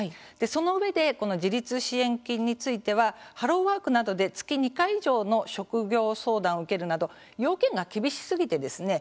そのうえでこの自立支援金についてはハローワークなどで月２回以上の職業相談を受けるなど要件が厳しすぎてですね